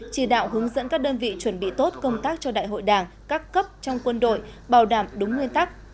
chỉ đạo hướng dẫn các đơn vị chuẩn bị tốt công tác cho đại hội đảng các cấp trong quân đội bảo đảm đúng nguyên tắc